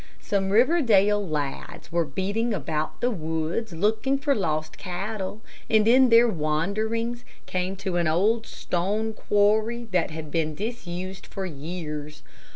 Some Riverdale lads were beating about the woods, looking for lost cattle, and in their wanderings came to an old stone quarry that had been disused for years.